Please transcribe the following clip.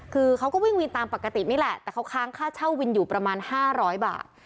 คือเขาก็วิ่งวินตามปกตินี่แหละแต่เขาค้างค่าเช่าวินอยู่ประมาณ๕๐๐บาท